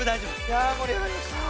いやもりあがりました。